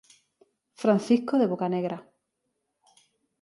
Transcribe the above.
Francisco de Bocanegra.